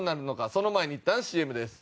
その前にいったんＣＭです。